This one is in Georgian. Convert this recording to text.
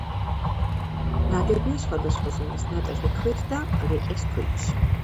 ნაგებია სხვადასხვა ზომის ნატეხი ქვით და რიყის ქვით.